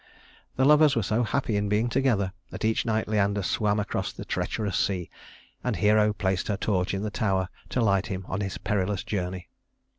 The lovers were so happy in being together that each night Leander swam across the treacherous sea, and Hero placed her torch in the tower to light him on his perilous journey.